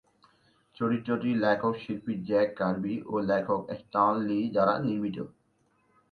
চরিত্রটি লেখক/শিল্পী Jack Kirby ও লেখক স্ট্যান লি দ্বারা নির্মিত।